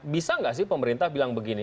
bisa nggak sih pemerintah bilang begini